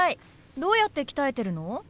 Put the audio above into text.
どうやって鍛えてるの？